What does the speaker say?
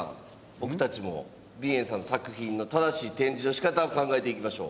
僕たちもＢＩＥＮさんの作品の正しい展示の仕方を考えていきましょう。